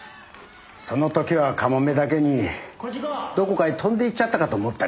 その時はかもめだけにどこかへ飛んでいっちゃったかと思ったりしてね。